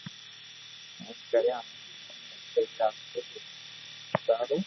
ھين ڪرپا ڪرين اموني ي سھي راستو تو چاڙو